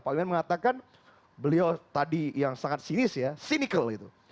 pak wiran mengatakan beliau tadi yang sangat sinis ya sinikel gitu